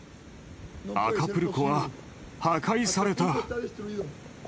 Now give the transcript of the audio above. アカプルコは破壊された。